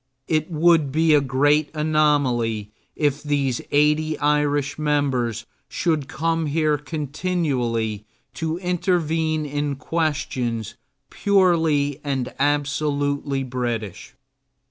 It would be a great anomaly if these eighty Irish members should come here continually to intervene in questions purely and absolutely British.